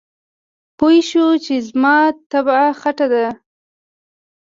پوی شو چې زما طبعه خټه ده.